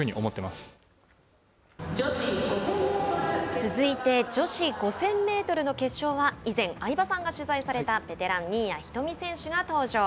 続いて、女子５０００メートルの決勝も以前相葉さんが取材されたベテラン、新谷仁美選手が登場。